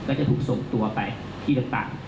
ก็จะถูกส่งตัวไปที่ต่าง